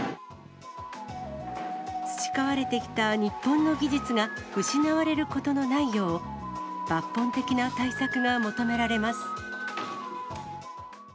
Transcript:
培われてきた日本の技術が失われることのないよう、抜本的な対策が求められます。